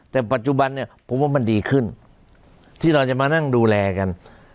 แต่ปัจจุบันเนี่ยผมว่ามันดีขึ้นที่เราจะมานั่งดูแลกัน